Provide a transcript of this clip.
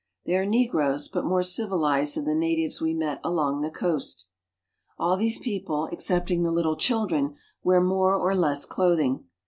They are negroes, but more civilized than I the natives we met along the coast. All these people excepting the little children wear more I or iess clothing.